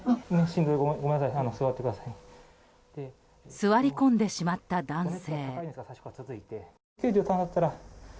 座り込んでしまった男性。